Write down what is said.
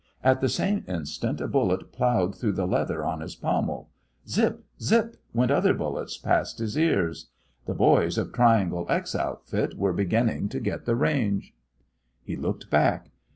At the same instant a bullet ploughed through the leather on his pommel. Zip! zip! went other bullets past his ears. The boys of Triangle X outfit were beginning to get the range. He looked back.